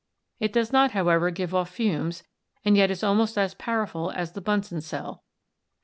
It does not, however, give off fumes and yet is almost as powerful as the Bunsen cell.